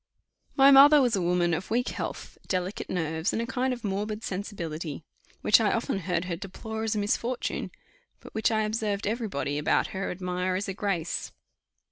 My mother was a woman of weak health, delicate nerves, and a kind of morbid sensibility; which I often heard her deplore as a misfortune, but which I observed every body about her admire as a grace.